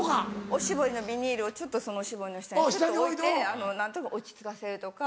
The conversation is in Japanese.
おしぼりのビニールをおしぼりの下に置いて何となく落ち着かせるとか。